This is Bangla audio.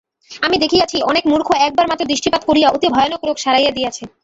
আমি দেখিায়াছি, অনেক মূর্খ একবার মাত্র দৃষ্টিপাত করিয়া অতি ভয়ানক রোগ সারাইয়া দিয়াছে।